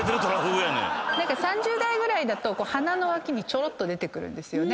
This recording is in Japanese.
何か３０代ぐらいだと鼻の脇にちょろっと出てくるんですよね。